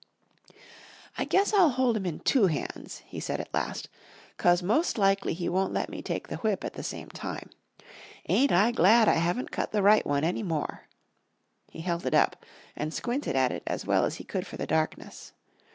"I guess I'll hold 'em in two hands," he said at last, "'cause most likely he won't let me take the whip at the same time. Ain't I glad I haven't cut the right one any more!" He held it up and squinted at it as well as he could for the darkness.